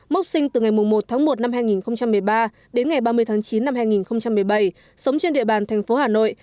mốc sinh từ ngày một tháng một năm hai nghìn một mươi ba đến ngày ba mươi tháng chín năm hai nghìn một mươi bảy sống trên địa bàn thành phố hà nội